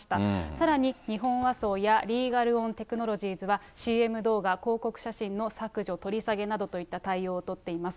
さらに日本和装やリーガルオン・テクノロジーズはＣＭ動画、広告写真の削除、取り下げなどといった対応を取っています。